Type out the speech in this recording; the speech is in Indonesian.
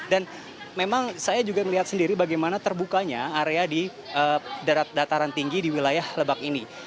dan memang saya juga melihat sendiri bagaimana terbukanya area di dataran tinggi di wilayah lebak ini